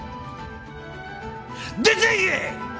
出ていけ！